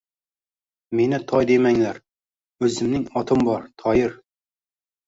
Meni Toy demanglar, o‘zimning otim bor — Toyir.